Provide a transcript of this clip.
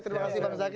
terima kasih pak zaky